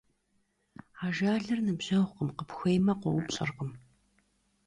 Ajjalır nıbjeğukhım, khıpxuêyme, khoupş'ırkhım.